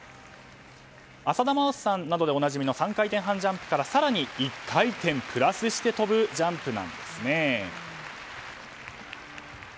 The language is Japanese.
浅田真央さんなどでおなじみの３回転半ジャンプから更に１回転プラスして跳ぶジャンプなんです。